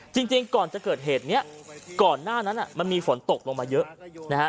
จริงก่อนจะเกิดเหตุนี้ก่อนหน้านั้นมันมีฝนตกลงมาเยอะนะฮะ